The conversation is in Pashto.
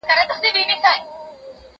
زه د ښوونځی لپاره امادګي نيولی دی!؟